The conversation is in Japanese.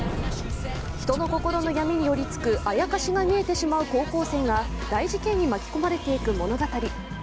人の心の闇に寄りつくアヤカシが見えてしまう高校生が大事件に巻き込まれていく物語。